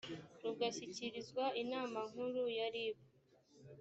rugashyikirizwa inama nkuru ya rib